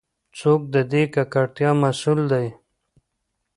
څوک د دې ککړتیا مسؤل دی؟